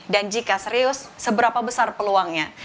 dan jika serius seberapa besar peluangnya